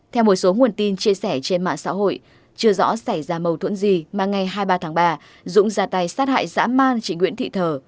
theo một số nguồn tin chia sẻ trên mạng xã hội chưa rõ xảy ra mâu thuẫn gì mà ngày hai mươi ba tháng ba dũng ra tay sát hại dã man chị nguyễn thị thở